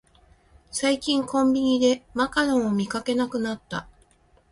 最近コンビニでマカロンを見かけなくなった